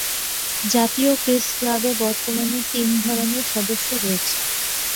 জাতীয় প্রেস ক্লাবে বর্তমানে তিন ধরনের সদস্য রয়েছে।